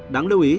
đáng lưu ý